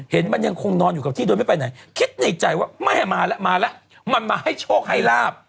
มันยังคงนอนอยู่กับที่โดยไม่ไปไหนคิดในใจว่าไม่ให้มาแล้วมาแล้วมันมาให้โชคให้ลาบ